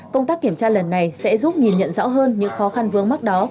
công tác kiểm tra lần này sẽ giúp nhìn nhận rõ hơn những khó khăn vướng mắt đó